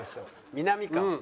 みなみかわ。